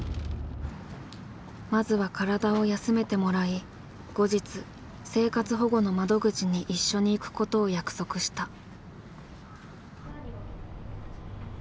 まずは体を休めてもらい後日生活保護の窓口に一緒に行くことを約束した。